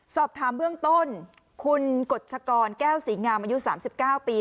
สอบถามเบื้องต้นคุณกฎชกรแก้วศรีงามอายุ๓๙ปี